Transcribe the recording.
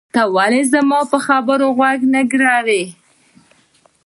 ته ولې زما په خبرو غوږ نه ګروې؟